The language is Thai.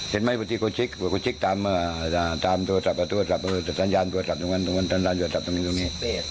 เห็นไหมบางทีเขาเช็กตามโทรศัพท์ตรงนั้นตรงนี้